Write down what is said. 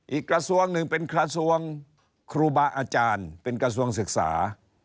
อีกกระทรวงหนึ่งเป็นกระทรวงครูบาอาจารย์เป็นกระทรวงศึกษา